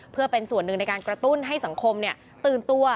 เพื่อเป็นส่วนหนึ่งในการกระตุ้นให้สังคมตื่นตัว